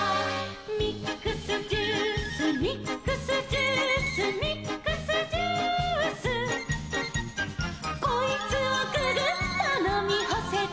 「ミックスジュースミックスジュース」「ミックスジュース」「こいつをググッとのみほせば」